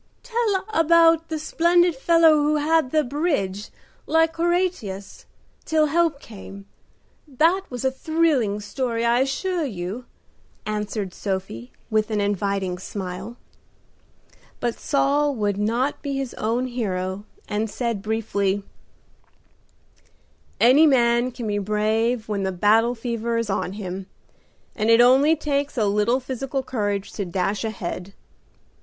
"Tell about the splendid fellow who held the bridge, like Horatius, till help came up. That was a thrilling story, I assure you," answered Sophie, with an inviting smile. But Saul would not be his own hero, and said briefly: "Any man can be brave when the battle fever is on him, and it only takes a little physical courage to dash ahead."